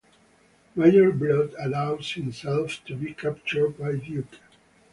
Major Bludd allows himself to be captured by Duke.